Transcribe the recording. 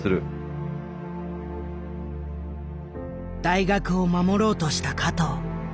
大学を守ろうとした加藤。